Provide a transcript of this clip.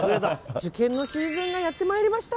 受験のシーズンがやってまいりました。